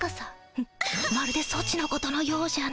フッまるでソチのことのようじゃの。